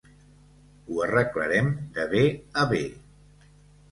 Ho arreglarem de bé a bé.